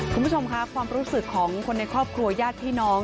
คุณผู้ชมค่ะความรู้สึกของคนในครอบครัวญาติพี่น้อง